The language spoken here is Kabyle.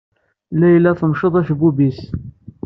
Layla temceḍ-d acebbub-is.